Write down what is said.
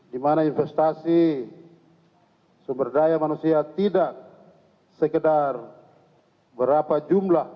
di mana investasi sumber daya manusia tidak sekedar berapa jumlah